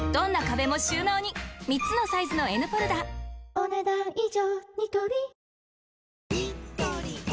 お、ねだん以上。